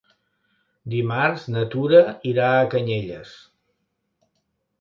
Dimarts na Tura irà a Canyelles.